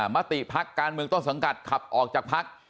มติพักการเมืองต้นสังกัดขับออกจากพัก